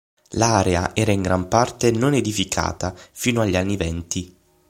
L'area era in gran parte non edificata fino agli anni venti.